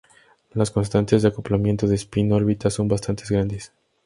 Las constantes de acoplamiento de spin-órbita son bastante grandes.